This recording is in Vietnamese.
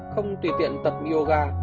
không tùy tiện tập yoga